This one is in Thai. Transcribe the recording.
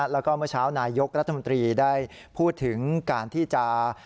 แล้วก็เมื่อเช้านายยกรัฐมนตรีได้พูดถึงการที่จะ